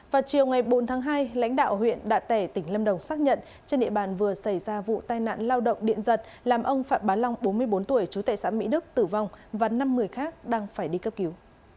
vào chiều ngày bốn tháng hai lãnh đạo huyện đạ tẻ tỉnh lâm đồng xác nhận trên địa bàn vừa xảy ra vụ tai nạn lao động điện giật làm ông phạm bá long bốn mươi bốn tuổi chú tệ xã mỹ đức tử vong và năm người khác đang phải đi cấp cứu